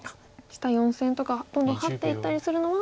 下４線とかどんどんハッていったりするのは。